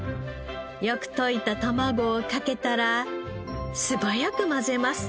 よく溶いたたまごをかけたら素早く混ぜます。